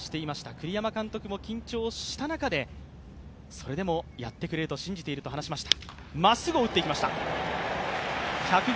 栗山監督も緊張した中で、それでもやってくれると信じていると話しました。